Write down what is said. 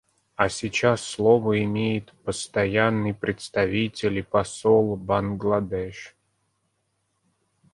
А сейчас слово имеет Постоянный представитель и посол Бангладеш.